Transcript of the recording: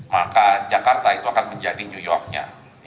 maka jakarta itu akan menjadi new york nya